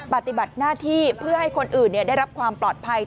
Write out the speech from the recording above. ปฏิบัติหน้าที่เพื่อให้คนอื่นได้รับความปลอดภัย